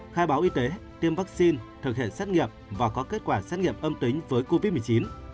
khai báo y tế tiêm vaccine thực hiện xét nghiệm và có kết quả xét nghiệm âm tính với covid một mươi chín